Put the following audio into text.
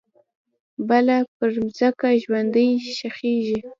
بله پرمځکه ژوندۍ ښخیږې